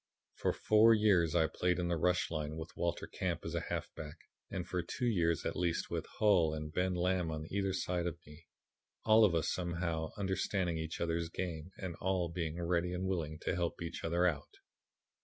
"For four years I played in the rush line with Walter Camp as a halfback, and for two years, at least, with Hull and Ben Lamb on either side of me, all of us somehow understanding each other's game and all being ready and willing to help each other out.